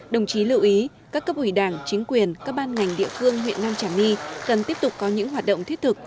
đồng chí lưu ý các cấp ủy đảng chính quyền các ban ngành địa phương huyện nam trà my cần tiếp tục có những hoạt động thiết thực